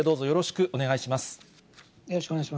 よろしくお願いします。